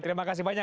terima kasih banyak